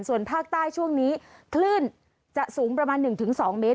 ส่วนภาคใต้ช่วงนี้คลื่นจะสูงประมาณ๑๒เมตร